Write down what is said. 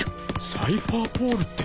サイファーポールって。